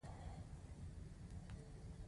معنوي کلتور د ټولنې له اخلاقو سره تړاو لري.